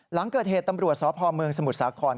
หลังเกิดเหตุตำรวจสพเมืองสมุทรสาคร